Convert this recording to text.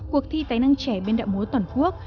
cuộc thi tài năng trẻ biên đạo múa toàn quốc